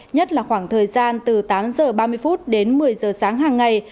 nhất là khoảng thời gian từ tám giờ ba mươi phút đến một mươi giờ sáng hàng ngày